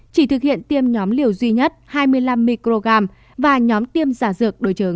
chỉ thực hiện tiêm nhóm liều duy nhất hai mươi năm microgram và nhóm tiêm giả dược đối chứng